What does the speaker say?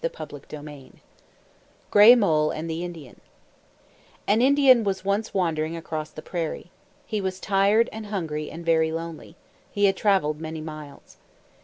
HENRY W LONGFELLOW GRAY MOLE AND THE INDIAN An Indian was once wandering across the prairie. He was tired, and hungry, and very lonely. He had traveled many miles.